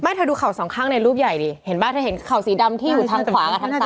เธอดูเข่าสองข้างในรูปใหญ่ดิเห็นป่ะเธอเห็นเข่าสีดำที่อยู่ทางขวากับทางซ้าย